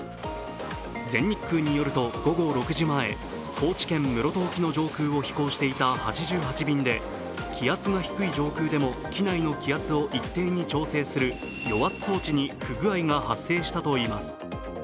全日空によると、午後６時前、高知県室戸沖の上空を飛行していた８８便で気圧が低い上空でも機内の気圧を一定に調整する与圧装置に不具合が発生したといいます。